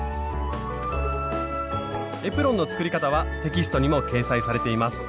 エプロンの作り方はテキストにも掲載されています。